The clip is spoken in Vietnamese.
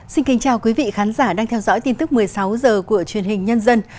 xin kính chào quý vị khán giả đang theo dõi tin tức một mươi sáu h của truyền hình nhân dân